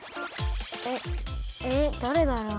えっえだれだろう。